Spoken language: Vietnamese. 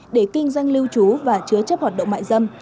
để kinh doanh lưu trú và chứa chấp hoạt động mại dâm